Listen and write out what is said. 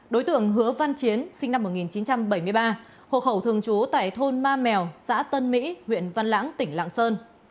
đối tượng hứa văn chiến sinh năm một nghìn chín trăm bảy mươi ba hộ khẩu thường trú tại thôn ma mèo xã tân mỹ huyện văn lãng tỉnh lạng sơn